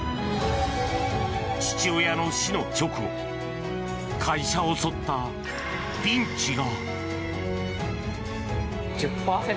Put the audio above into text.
父親の死の直後会社を襲ったピンチが。